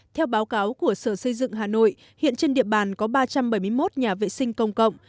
theo báo cáo của sở xây dựng hà nội hiện trên địa bàn có ba trăm bảy mươi một nhà vệ sinh công cộng